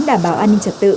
đảm bảo an ninh trật tự